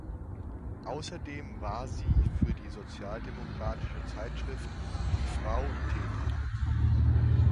Außerdem war sie für die sozialdemokratische Zeitschrift Die Frau tätig.